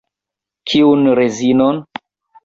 Kiun rezinon?